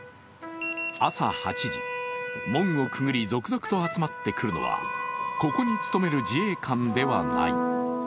朝８時、門をくぐり続々と集まってくるのはここに勤める自衛官ではない。